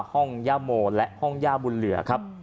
ห้องย่าโมและห้องย่าบุญเหลือ